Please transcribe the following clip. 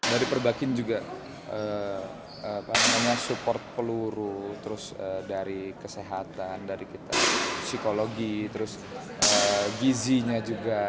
dari perbakin juga support peluru terus dari kesehatan dari kita psikologi terus gizinya juga